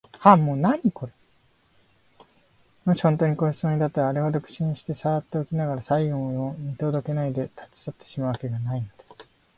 もしほんとうに殺すつもりだったら、あれほど苦心してさらっておきながら、最期も見とどけないで、たちさってしまうわけがないのです。